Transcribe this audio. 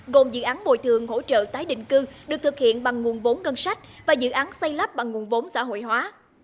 gồm dự án bồi thường hỗ trợ tái định cư được thực hiện bằng nguồn vốn ngân sách và dự án xây lắp bằng nguồn vốn xã hội hóa